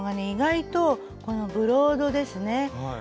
意外とこのブロードですね。